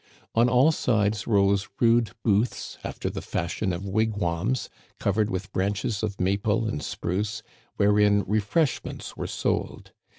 On all sides rose rude booths, after the fashion of wigwams, covered with branches of maple and spruce, wherein refreshments were sold.